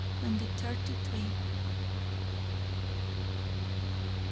When the thirty three ...